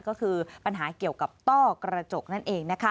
ก็คือปัญหาเกี่ยวกับต้อกระจกนั่นเองนะคะ